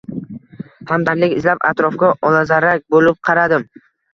Hamdardlik izlab, atrofga olazarak bo’lib qaradim.